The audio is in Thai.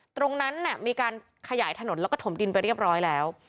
ตรงนั้นมีการขยายถนนแล้วก็ถมดินไปเรียบร้อยแล้ว